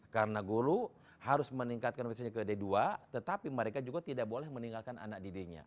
karena guru harus meningkatkan kompetensinya ke d dua tetapi mereka juga tidak boleh meninggalkan anak didiknya